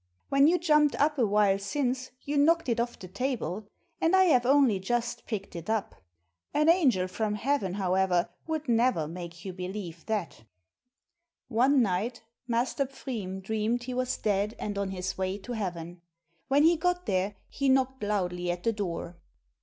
When you jumped up a while since, you knocked it off the table, and I have only just picked it up. An angel from heaven, however, would never make you believe that." One night Master Pfriem dreamed he was dead, and on his way to heaven. When he got there, he knocked loudly at the door.